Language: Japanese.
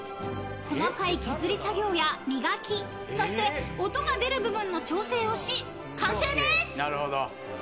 ［細かい削り作業や磨きそして音が出る部分の調整をし完成です！］